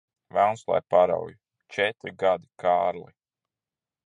Velns lai parauj! Četri gadi, Kārli.